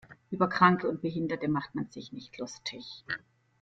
Über Kranke und Behinderte macht man sich nicht lustig.